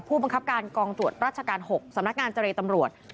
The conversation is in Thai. ผู้บังคับการกองตรวจราชการ๖สำนักงานเจรตำรวจ